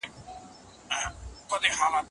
دا معلومات به د نظريې په جوړولو کي مرسته وکړي.